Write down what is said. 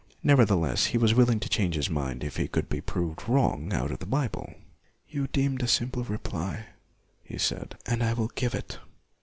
Never theless, he was willing to change his mind, if he could be proved wrong out of the Bible. " You demand a simple reply," he said, " and I will give it.